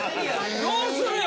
どうするよ？